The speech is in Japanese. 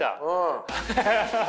ハハハハハ。